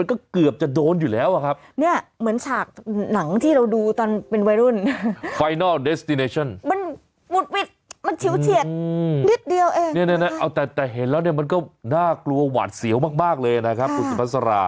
โอ้โหว่น่ากลัวหวาดเสียวมากเลยนะครับอุศพัศรา